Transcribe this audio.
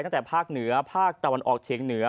ตั้งแต่ภาคเหนือภาคตะวันออกเฉียงเหนือ